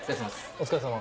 お疲れさま。